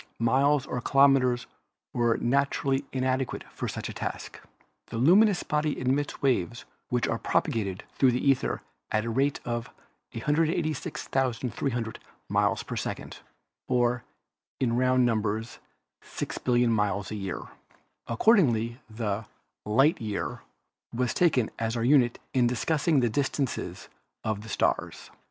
Miles or kilometers were naturally inadequate for such a task. A luminous body emits waves which are propagated through the ether at the rate of 186,300 miles a second, or, in round num bers, six billion miles a year. Accordingly the "light year" was taken as our unit in discussing the distances of the stars.